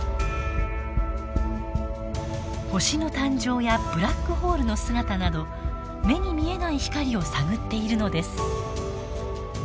星の誕生やブラックホールの姿など目に見えない光を探っているのです。